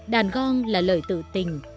đàn gong là lời tự tình